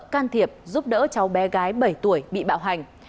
can thiệp giúp đỡ cháu bé gái bảy tuổi bị bạo hành